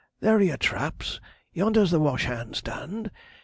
there are your traps. Yonder's the washhand stand.